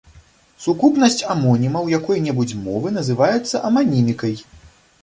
Сукупнасць амонімаў якой-небудзь мовы называецца аманімікай.